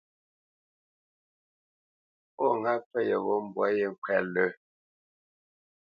Pó ŋá pfə yeghó mbwǎ yé ŋkwɛ́t lə̂.